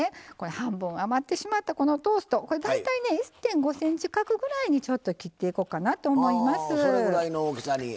半分余ってしまったトースト大体１．５ｃｍ角にちょっと切っていこうかなと思います。